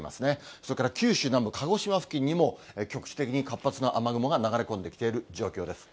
それから九州南部、鹿児島付近にも、局地的に活発な雨雲が流れ込んできている状況です。